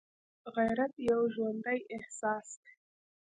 غیرت یو ژوندی احساس دی